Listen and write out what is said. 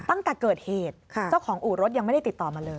ตั้งแต่เกิดเหตุเจ้าของอู่รถยังไม่ได้ติดต่อมาเลย